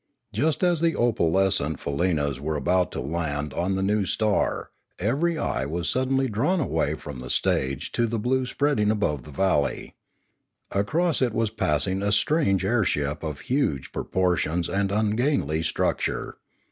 Just as the opalescent faleenas were about to land on the new star, every eye was suddenly drawn away from the stage to the blue spreading above the valley. Across it was passing a strange airship of huge proportions and ungainly structure.